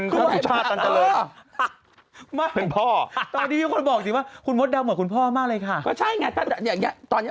คุณจะบอกว่าคุณเป็นครอบคุณชาติตันตะเล